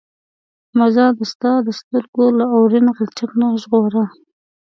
ما ځان د ستا د سترګو له اورین غلچک نه ژغوره.